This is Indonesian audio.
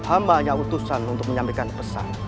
amba hanya utusan untuk menyampaikan pesan